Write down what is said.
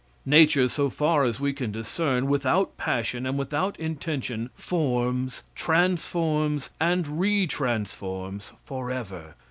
Nature, so far as we can discern, without passion and without intention, forms, transforms, and retransforms forever.